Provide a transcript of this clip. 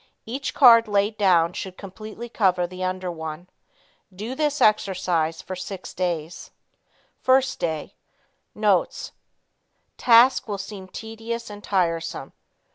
Each card laid down should completely cover the under one. Do this exercise for six days. 1st Day. Notes. Task will seem tedious and tiresome.